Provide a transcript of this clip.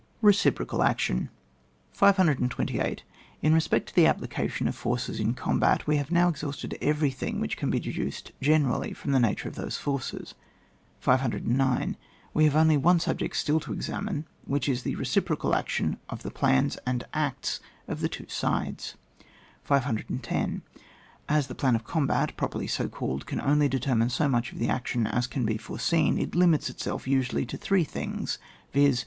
Reciprocal Action, 528. In respect to the application of forces in combat, we have now exhausted everything which can be deduced gene rally from the nature of those forces. 509. We have only one subject still to examine, which is the reciprocal action of the plans and acts of the two sides. 510. As the plan of combat, properly so called, can only determine so much of the action as can be foreseen, it limits itself usually to three things, viz.